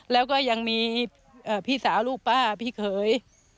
แล้วก็ยังมีพี่สาวลูกป้าพี่เขย